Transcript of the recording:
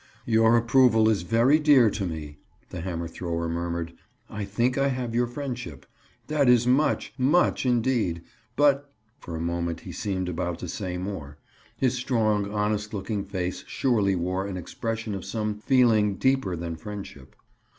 "Your approval is very dear to me," the hammer thrower murmured. "I think I have your friendship. That is much—much, indeed. But—" For a moment he seemed about to say more. His strong, honest looking face surely wore an expression of some feeling deeper than friendship.